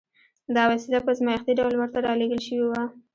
دا وسیله په ازمایښتي ډول ورته را لېږل شوې وه